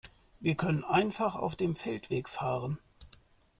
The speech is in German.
Wir können einfach auf dem Feldweg fahren.